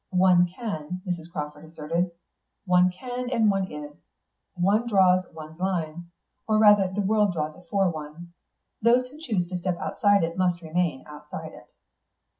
"One can," Mrs. Crawford asserted. "One can, and one is. One draws one's line. Or rather the world draws it for one. Those who choose to step outside it must remain outside it."